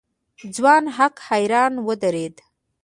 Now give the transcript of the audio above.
ځوان هک حيران ودرېد.